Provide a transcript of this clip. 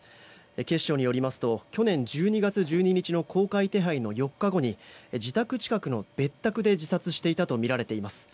警視庁によりますと去年１２月１２日の公開手配の４日後に自宅近くの別宅で自殺していたとみられています。